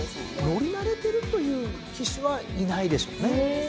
乗り慣れるという騎手はいないでしょうね。